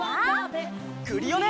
クリオネ！